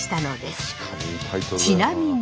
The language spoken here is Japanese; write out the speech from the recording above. ちなみに。